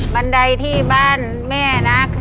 บันไดที่บ้านแม่นะ